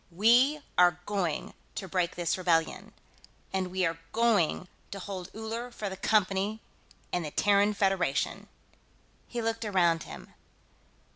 We are going to break this rebellion, and we are going to hold Uller for the Company and the Terran Federation." He looked around him.